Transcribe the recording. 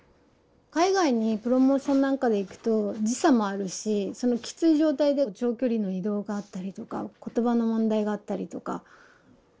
海外にプロモーションなんかで行くと時差もあるしそのきつい状態で長距離の移動があったりとか言葉の問題があったりとか。